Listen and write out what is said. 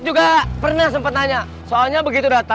saya belum berbicara sama dia tapi dia